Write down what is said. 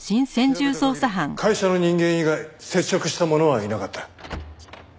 調べた限り会社の人間以外接触した者はいなかった。